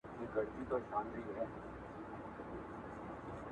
خوند ئې ښه دئ، را تله ئې!